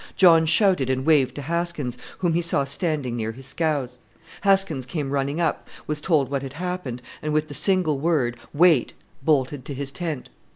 John shouted and waved to Haskins, whom he saw standing near his scows. Haskins came running up, was told what had happened, and with the single word, "Wait!" bolted to his tent.